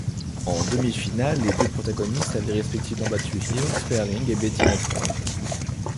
En demi-finale, les deux protagonistes avaient respectivement battu Hilde Sperling et Betty Nuthall.